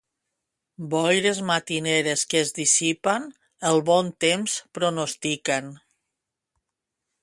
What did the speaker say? Boires matineres que es dissipen, el bon temps pronostiquen.